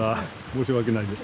申し訳ないです。